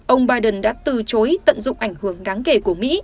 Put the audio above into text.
ông biden đã từ chối tận dụng ảnh hưởng đáng kể của mỹ